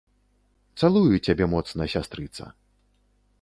Цалую цябе моцна, сястрыца.